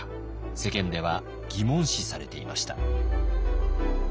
世間では疑問視されていました。